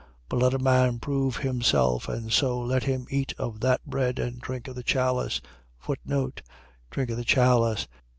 But let a man prove himself: and so let him eat of that bread and drink of the chalice. Drink of the chalice.